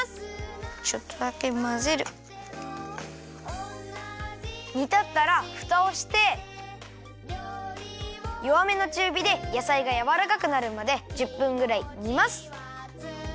ちょっとだけまぜる。にたったらふたをしてよわめのちゅうびでやさいがやわらかくなるまで１０分ぐらいにます。